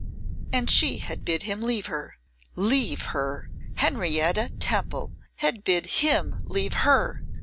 And she had bid him leave her. Leave her! Henrietta Temple had bid him leave her!